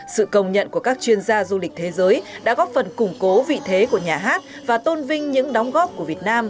sự công nhận của các chuyên gia du lịch thế giới đã góp phần củng cố vị thế của nhà hát và tôn vinh những đóng góp của việt nam